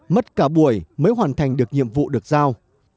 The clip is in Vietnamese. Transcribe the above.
mất cả buổi mới hoàn thành được nhiệm vụ được giao